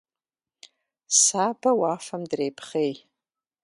Сабэ уафэм дрепхъей.